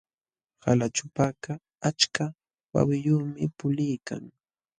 Qalaćhupakaq achka wawiyuqmi puliykan.